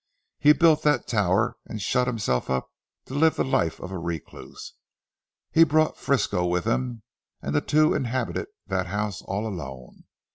He built that tower, and shut himself up to live the life of a recluse. He brought Frisco with him, and the two inhabited that house all alone.